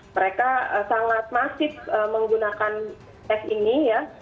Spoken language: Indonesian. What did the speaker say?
mereka sangat masif menggunakan tes ini ya